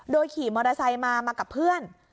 ขี่มอเตอร์ไซค์มามากับเพื่อน